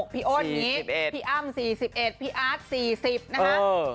พี่โอนอย่างนี้พี่อ้ำ๔๑พี่อาร์ต๔๐นะฮะ